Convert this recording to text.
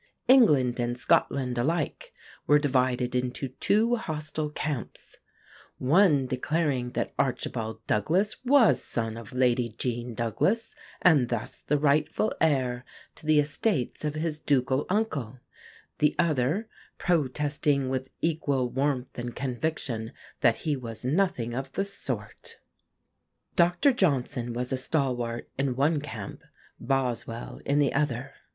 England and Scotland alike were divided into two hostile camps, one declaring that Archibald Douglas was son of Lady Jean Douglas, and thus the rightful heir to the estates of his ducal uncle; the other, protesting with equal warmth and conviction that he was nothing of the sort. Dr Johnson was a stalwart in one camp; Boswell in the other.